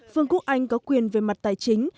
vương quốc anh có quyền về mặt tài chính